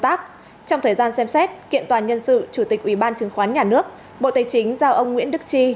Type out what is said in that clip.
trong thời gian xem xét kiện toàn nhân sự chủ tịch ubnd bộ tài chính giao ông nguyễn đức chi